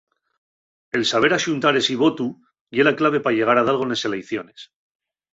El saber axuntar esi votu ye la clave pa llegar a dalgo nes eleiciones.